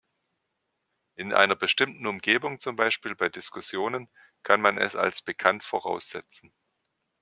In einer bestimmten Umgebung, zum Beispiel bei Diskussionen, kann man es als bekannt voraussetzen.